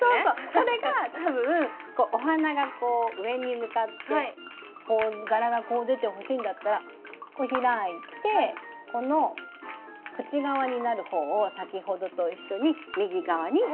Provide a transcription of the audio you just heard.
それが多分お花がこう上に向かって柄がこう出てほしいんだったら開いてこの口側になる方を先ほどと一緒に右側に置く。